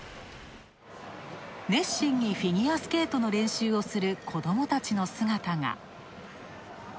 熱心にフィギュアスケートの練習をする子どもたちの姿が。